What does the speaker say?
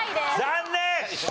残念！